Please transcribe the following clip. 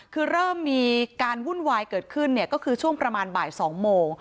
คือเริ่มมีการวุ่นวายเกิดขึ้นก็คือช่วงประมาณบ่าย๒โมง